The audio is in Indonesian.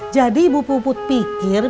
jadi ibu puput pikir